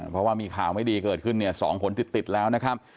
เพราะว่ามีข่าวไม่ดีเกิดขึ้นเนี่ย๒ผลติดแล้วนะครับ